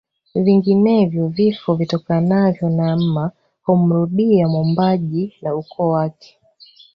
Vinginevyo vifo vitokanavyo na mma humrudia mwombaji na ukoo wake